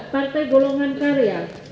empat partai golongan karya